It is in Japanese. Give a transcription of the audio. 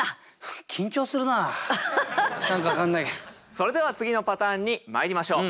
それでは次のパターンにまいりましょう。